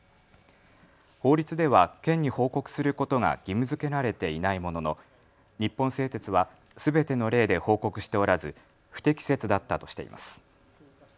法律では県に報告することが義務づけられていないものの日本製鉄はすべての例で報告しておらず不適切だったとしています。